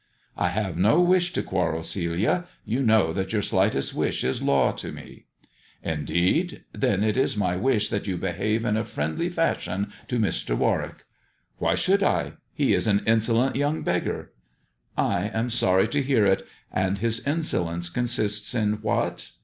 " I have no wish to quarrel, Celia. You know that your slightest wish is law to me." " Indeed ! Then it is my wish that you behave in a friendly fashion to Mr. Warwick." " Why should 1 1 He is an insolent young beggar." " I am sorry to hear it. And his insolence consists in what?"